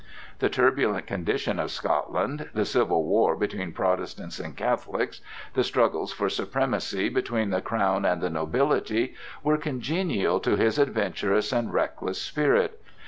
The turbulent condition of Scotland, the civil war between Protestants and Catholics, the struggles for supremacy between the crown and the nobility, were congenial to his adventurous and reckless spirit.